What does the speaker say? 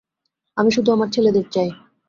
আমি শুধু আমার ছেলেদের চাই।